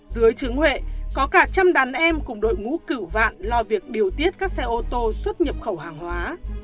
dưới trướng huệ có cả trăm đàn em cùng đội ngũ cửu vạn lo việc điều tiết các xe ô tô xuất nhập khẩu hàng hóa